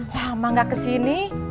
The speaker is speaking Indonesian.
lama gak kesini